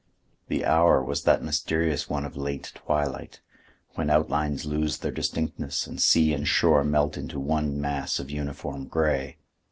The hour was that mysterious one of late twilight, when outlines lose their distinctness and sea and shore melt into one mass of uniform gray.